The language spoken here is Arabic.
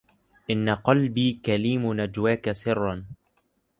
إن قلبي كليم نجواك سرا